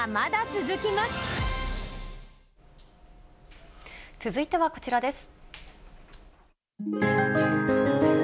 続いてはこちらです。